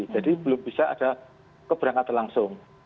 jadi belum bisa ada keberangkatan langsung